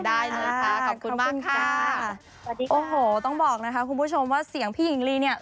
ได้นะคะขอบคุณมากค่ะโอ้โหต้องบอกนะคะคุณผู้ชมว่าเสียงพี่หญิงลีเนี่ย